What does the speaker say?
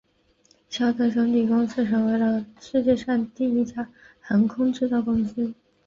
肖特兄弟公司成为了世界上第一家航空制造公司。